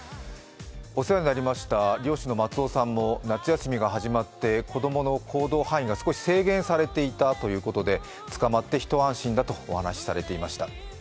お世話になりました漁師の松尾さんも、夏休みが始まって子供の行動範囲が少し制限されていたということで捕まって一安心だとお話しされていました。